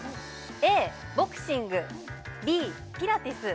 ＡボクシングＢピラティス